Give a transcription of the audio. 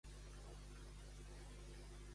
Qui va contra Déu, va contra seu.